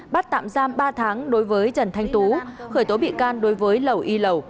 bắt tạm giam ba tháng đối với trần thanh tú khởi tố bị can đối với lầu y lẩu